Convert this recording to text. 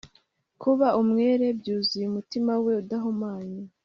kuba umwere byuzuye umutima we udahumanye